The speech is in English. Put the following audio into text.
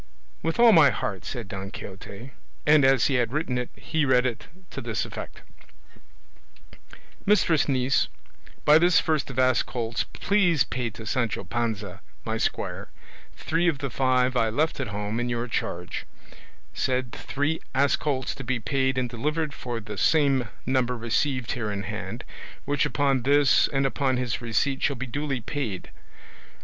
"With all my heart," said Don Quixote, and as he had written it he read it to this effect: "Mistress Niece, By this first of ass colts please pay to Sancho Panza, my squire, three of the five I left at home in your charge: said three ass colts to be paid and delivered for the same number received here in hand, which upon this and upon his receipt shall be duly paid.